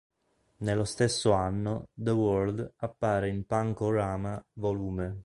Nello stesso anno, "The World" appare in "Punk-O-Rama Vol.